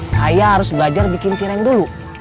saya harus belajar bikin cireng dulu